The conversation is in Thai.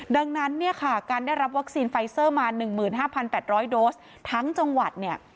ดังนั้นการได้รับวัคซีนไฟเซอร์มา๑๕๘๐๐โดสทั้งจังหวัด